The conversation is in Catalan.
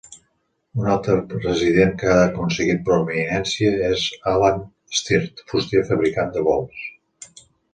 Un altre resident que ha aconseguit prominència és Alan Stirt, fuster i fabricant de bols.